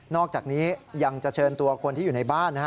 อกจากนี้ยังจะเชิญตัวคนที่อยู่ในบ้าน